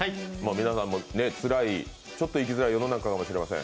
皆さんもつらい、ちょっと生きづらい世の中かもしれません。